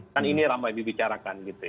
kan ini ramai dibicarakan